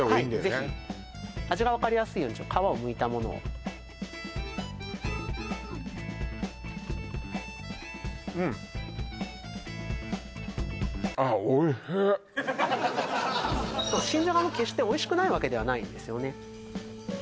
そうですねはいぜひ味がわかりやすいように皮をむいたものをうんそう新じゃがも決しておいしくないわけではないんですよね